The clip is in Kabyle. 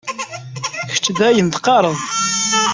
Kečč d ayen teqqared.